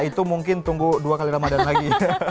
itu mungkin tunggu dua kali ramadhan lagi